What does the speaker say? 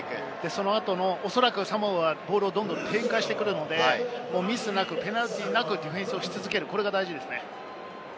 その後のおそらくサモアはボールをどんどん展開してくるので、ミスなく、ペナルティーなくディフェンスをし続ける、これが大事だと思います。